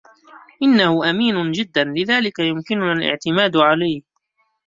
إنهُ أمين جداً, لذلك يمكننا الإعتماد عليه.